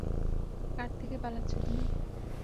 কার থেকে পালাচ্ছো তুমি?